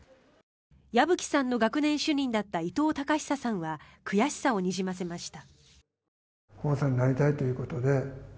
矢吹さんの学年主任だった伊藤孝久さんは悔しさをにじませました。